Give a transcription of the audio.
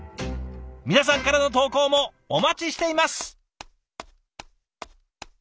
皆さんからの投稿もお待ちしています。